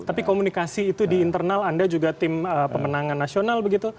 tapi komunikasi itu di internal anda juga tim pemenangan nasional begitu